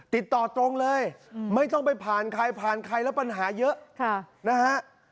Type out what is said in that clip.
ติดต่อตรงเลยไม่ต้องไปผ่านใครผ่านใครแล้วปัญหาเยอะนะฮะ